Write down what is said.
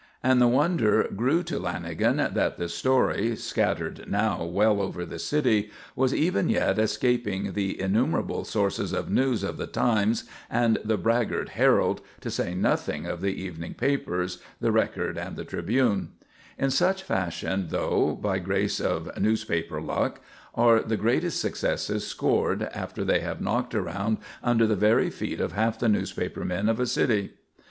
And the wonder grew to Lanagan that the story, scattered now well over the city, was even yet escaping the innumerable sources of news of the Times and the braggart Herald, to say nothing of the evening papers, the Record and the Tribune. In such fashion, though, by grace of newspaper luck, are the greatest successes scored after they have knocked around under the very feet of half the newspaper men of a city.